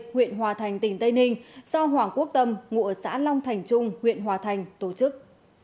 huyện hòa thành tỉnh tây ninh do hoàng quốc tâm ngụ ở xã long thành trung huyện hòa thành tổ chức